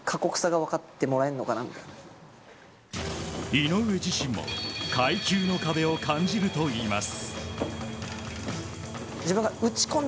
井上自身も階級の壁を感じるといいます。